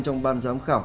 trong ban giám khảo